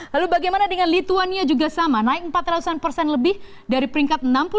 lalu bagaimana dengan lituania juga sama naik empat ratus an persen lebih dari peringkat enam puluh